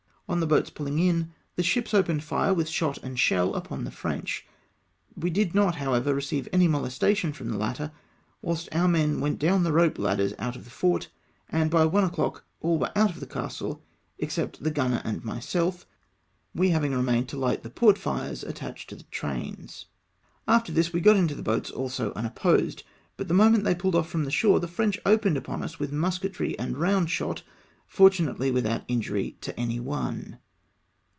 On the boats pulling in, the ships opened fire witli shot and shell upon the French. We did not, however, receive any molestation from the latter, whilst our men went down the rope ladders out of the fort, and by one o'clock all were out of the castle except the gunner and myself, we having remained to hght the portfires attached to the trains. After this we got into the boats also unopposed, but the moment they pulled off from the shore the French opened upon us with musketry and round shot, for tunately without injury to any one.